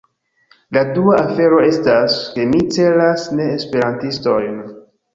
La dua afero estas, ke mi celas ne-Esperantistojn.